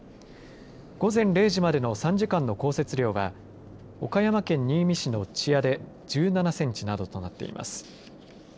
午前０時までの３時間の降雪量は岡山県新見市の千屋で１７センチなどとなっています。